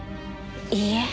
いいえ。